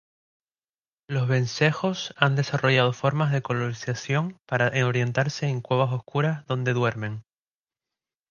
Los vencejos han desarrollado formas de ecolocalización para orientarse en cuevas oscuras donde duermen.